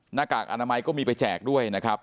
หน้ากากอนามัยก็มีไปแจกด้วยนะครับ